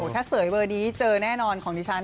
ถ้าเสยเบอร์นี้เจอแน่นอนของดิฉัน